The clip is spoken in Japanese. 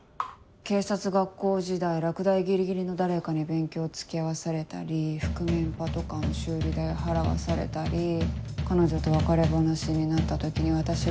警察学校時代落第ギリギリの誰かに勉強を付き合わされたり覆面パトカーの修理代を払わされたり彼女と別れ話になった時に私が。